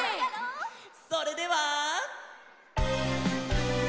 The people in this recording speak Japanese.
それでは！